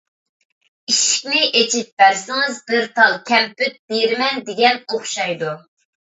ئىشىكنى ئېچىپ بەرسىڭىز بىر تال كەمپۈت بېرىمەن، دېگەن ئوخشايدۇ.